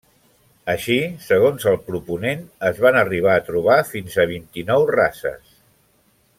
Així, segons el proponent, es van arribar a trobar fins a vint-i-nou races.